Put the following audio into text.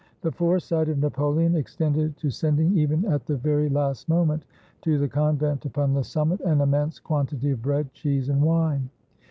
The foresight of Napoleon extended to sending, even at the very last moment, to the convent upon the simimit, an immense quantity of bread, cheese, and wine.